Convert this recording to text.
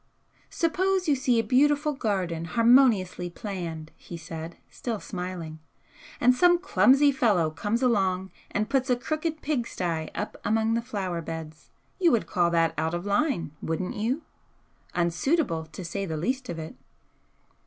'Suppose you see a beautiful garden harmoniously planned,' he said, still smiling, 'and some clumsy fellow comes along and puts a crooked pigstye up among the flower beds, you would call that "out of line," wouldn't you? Unsuitable, to say the least of it?'